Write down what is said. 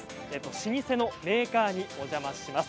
老舗のメーカーにお邪魔します。